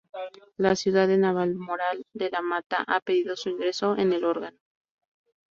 La ciudad de Navalmoral de la Mata ha pedido su ingreso en el órgano.